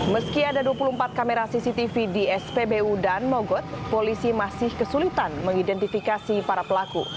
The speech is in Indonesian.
meski ada dua puluh empat kamera cctv di spbu dan mogot polisi masih kesulitan mengidentifikasi para pelaku